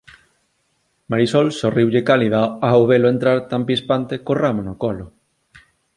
Marisol sorriulle cálida ao velo entrar tan pispante co ramo no colo.